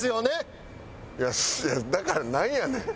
いやだからなんやねん？